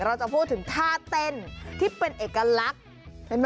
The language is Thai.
เราจะพูดถึงท่าเต้นที่เป็นเอกลักษณ์